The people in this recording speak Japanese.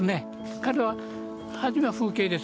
彼は初めは風景です。